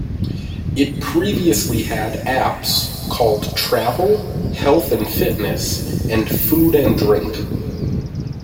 It previously had apps called Travel, Health and Fitness, and Food and Drink.